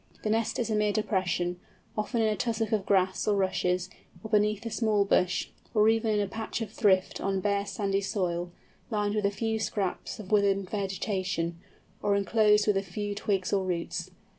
The nest is a mere depression, often in a tussock of grass or rushes, or beneath a small bush, or even in a patch of thrift on bare sandy soil, lined with a few scraps of withered vegetation, or enclosed with a few twigs or roots.